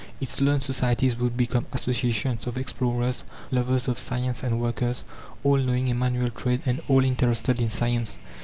Its learned societies would become associations of explorers, lovers of science, and workers all knowing a manual trade and all interested in science.